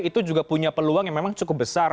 itu juga punya peluang yang memang cukup besar